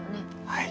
はい。